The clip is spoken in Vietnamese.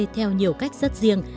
theo nhiều cách rất riêng